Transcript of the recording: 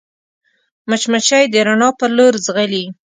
مچمچۍ د رڼا پر لور ځغلي